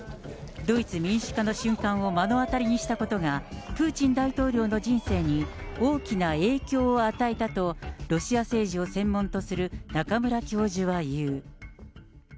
ドイツ民主化の瞬間を目の当たりにしたことが、プーチン大統領の人生に大きな影響を与えたと、ロシア政治を専門とする中村教授は言う。